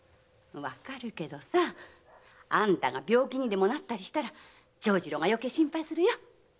わかるけどさあんたが病気にでもなったりしたら長次郎がよけい心配するよ。